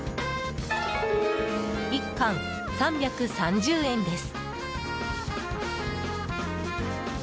１貫３３０円です。